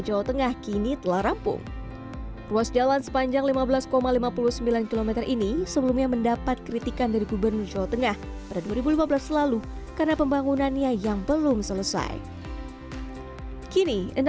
jalan lingkar kota wonogiri